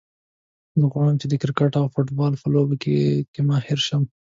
زه غواړم چې د کرکټ او فوټبال په لوبو کې ماهر شم